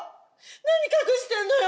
何隠してんのよ